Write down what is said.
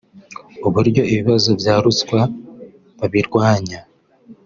uburyo ibibazo bya ruswa babirwanya